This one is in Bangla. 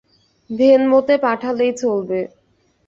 ভেনমোতে পাঠালেই চলবে।